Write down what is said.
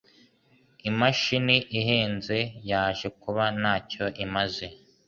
Imashini ihenze yaje kuba ntacyo imaze.